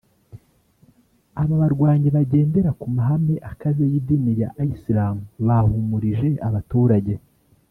Aba barwanyi bagendera ku mahame akaze y’idini ya Islam bahumurije abaturage